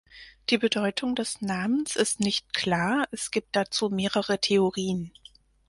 Die Bedeutung des Namens ist nicht klar, es gibt dazu mehrere Theorien.